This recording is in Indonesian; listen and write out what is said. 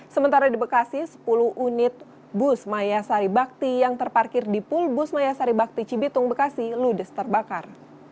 sementara di bekasi sepuluh unit bus maya saribakti yang terparkir di pul bus maya saribakti cibitung bekasi ludes terbakar